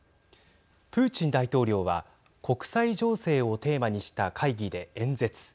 プーチン大統領は国際情勢をテーマにした会議で演説。